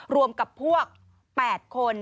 รวมกับพวก๘คน